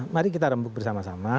mari kita rembuk bersama sama